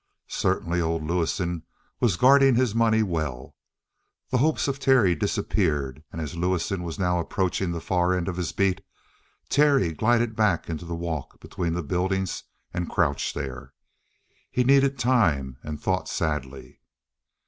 Certainly old Lewison was guarding his money well. The hopes of Terry disappeared, and as Lewison was now approaching the far end of his beat, Terry glided back into the walk between the buildings and crouched there. He needed time and thought sadly.